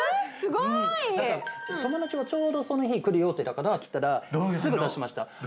すごい！友達がちょうどその日来る予定だから来たらすぐ出しました。